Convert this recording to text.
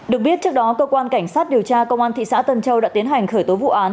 được biết trước đó cơ quan cảnh sát điều tra công an thị xã tân châu đã tiến hành khởi tố vụ án